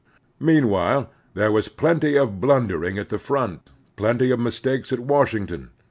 Meanwhile there was plenty of bltmdering at the front, plenty of mistakes at Washington.